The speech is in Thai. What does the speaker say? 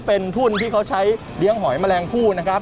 เป็นทุ่นที่เขาใช้เลี้ยงหอยแมลงผู้นะครับ